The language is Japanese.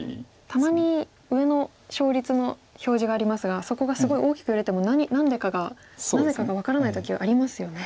たまに上の勝率の表示がありますがそこがすごい大きく揺れても何でかがなぜかが分からない時ありますよね。